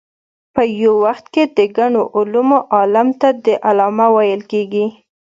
په یو وخت کې د ګڼو علومو عالم ته علامه ویل کېږي.